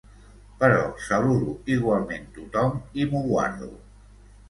Però saludo igualment tothom i m'ho guardo.